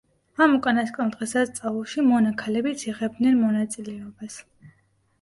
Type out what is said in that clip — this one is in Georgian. ამ უკანასკნელ დღესასწაულში მონა ქალებიც იღებდნენ მონაწილეობას.